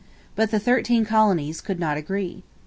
But the thirteen colonies could not agree.